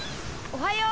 おはよう！